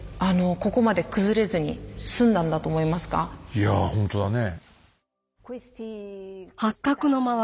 いやほんとだね。